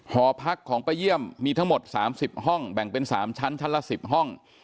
หอพักของป้าเยี่ยมมีทั้งหมด๓๐ห้องแบ่งเป็น๓ชั้นชั้นละ๑๐ห้อง